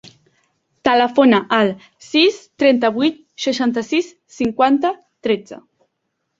Telefona al sis, trenta-vuit, seixanta-sis, cinquanta, tretze.